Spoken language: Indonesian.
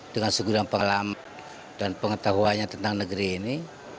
dengan segudang pengalaman dan pengetahuannya tentang negeri ini